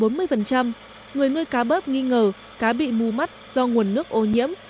người nuôi cá bớp nghi ngờ cá bị mù mắt do nguồn nước ô nhiễm